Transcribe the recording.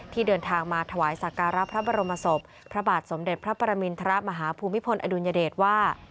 เดินทางมาถวายสักการะพระบรมศพพระบาทสมเด็จพระปรมินทรมาฮภูมิพลอดุลยเดชว่า